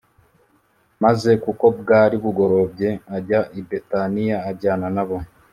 maze kuko bwari bugorobye ajya i Betaniya ajyana nabo